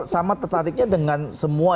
sama tertariknya dengan semua